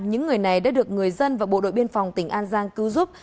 những người này đã được người dân và bộ đội biên phòng tỉnh an giang cứu giúp